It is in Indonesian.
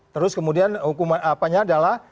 terus kemudian hukuman apanya adalah